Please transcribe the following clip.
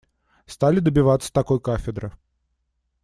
Стали добиваться такой кафедры.